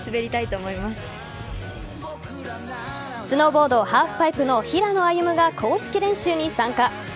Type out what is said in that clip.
スノーボード・ハーフパイプの平野歩夢が公式練習に参加。